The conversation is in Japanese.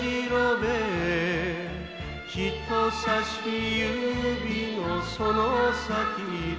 「人さし指のその先で」